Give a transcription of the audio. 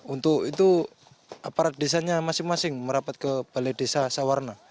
untuk itu aparat desanya masing masing merapat ke balai desa sawarna